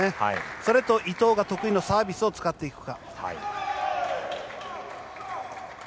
それと伊藤が得意なサービスを使っていくか。